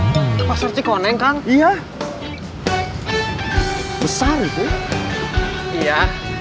masjid istiqlal pak ustadz kota kota